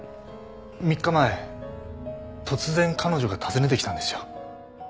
３日前突然彼女が訪ねてきたんですよ。